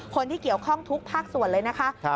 คนที่เกี่ยวข้องทุกภาคส่วนเลยนะคะ